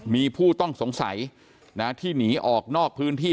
มีผู้ต้องสงสัยที่หนีออกนอกพื้นที่